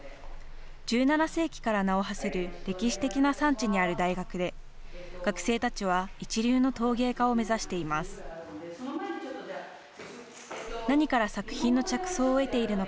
１７世紀から名をはせる歴史的な産地にある大学で学生たちは一流の陶芸家を目指しています。